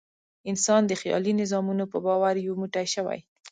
انسان د خیالي نظامونو په باور یو موټی شوی.